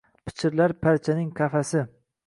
Pichirlar darchaning qafasi